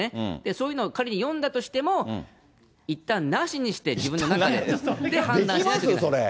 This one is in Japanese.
そういうのを仮に読んだとしても、いったんなしにして自分の中で、判断しないといけない。